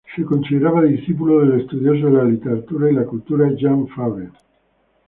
Se consideraba discípulo del estudioso de la literatura y la cultura Jean Fabre.